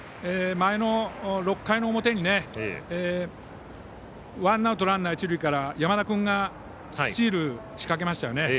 前の６回の表にワンアウト、ランナー、一塁から山田君がスチール仕掛けましたよね。